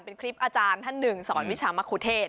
เป็นคลิปอาจารย์ท่านหนึ่งสอนวิชามะคุเทศ